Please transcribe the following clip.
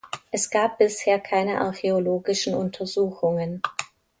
Es gab bisher keine archäologischen Untersuchungen.